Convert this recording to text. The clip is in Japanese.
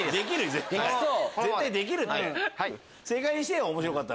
絶対できるって。